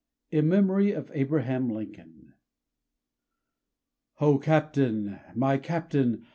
(In Memory of Abraham Lincoln) O CAPTAIN ! my Captain